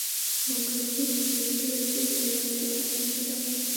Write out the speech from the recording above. მოგვიანებით ძირითადად ისევ სერიალებში თამაშობდა.